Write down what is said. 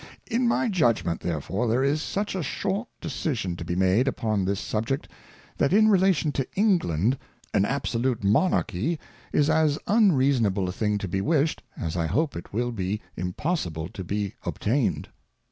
In my Judgment, therefore, there is such a short Decision to be made upon this Subject, that in Relation to England, an Absolute Monarchy is as unreasonable a thing to be wished, as I hope it will be im possible to be obtained.